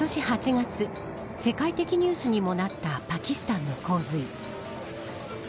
月世界的ニュースにもなったパキスタンの洪水。